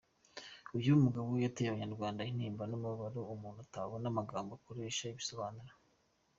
Uyu mugabo yateye abanyarwanda intimba n’umubabaro Umuntu atabona amagambo akoresha abisobanura.